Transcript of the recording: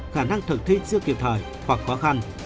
khả năng thực thi chưa kịp thời hoặc khó khăn